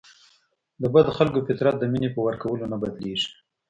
د بدو خلکو فطرت د مینې په ورکولو نه بدلیږي.